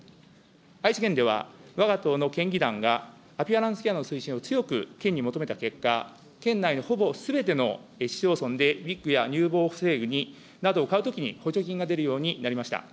愛知県では、わが党の県議団が、アピアランスケアの推進を強く県に求めた結果、県内のほぼすべての市町村でウィッグや乳房補正具などを買うときに補助金が出るようになりました。